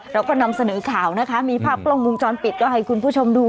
เราก็นำเสนอข่าวนะคะมีภาพกล้องวงจรปิดก็ให้คุณผู้ชมดู